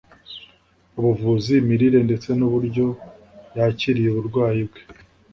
ubuvuzi, imirire, ndetse n'uburyo yakiriye uburwayi bwe.